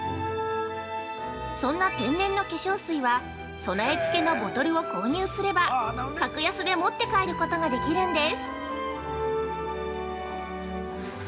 そんな天然の化粧水は備え付けのボトルを購入すれば格安で持って帰ることができるんです。